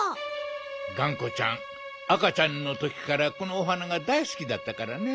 がんこちゃんあかちゃんのときからこのお花がだいすきだったからね。